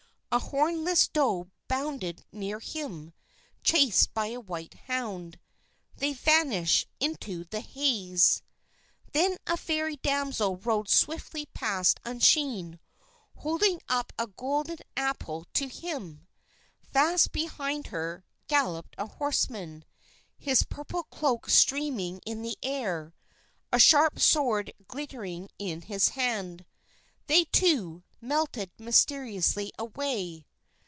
A hornless doe bounded near him, chased by a white hound. They vanished into the haze. Then a Fairy Damsel rode swiftly past Usheen, holding up a golden apple to him. Fast behind her, galloped a horseman, his purple cloak streaming in the still air, a sharp sword glittering in his hand. They, too, melted mysteriously away.